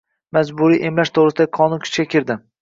Majburiy emlash toʻgʻrisidagi qonun kuchga kirdi.